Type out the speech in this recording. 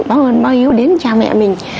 báo ơn báo hiếu đến cha mẹ mình